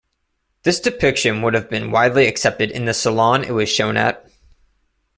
This depiction would have been widely accepted in the Salon it was shown at.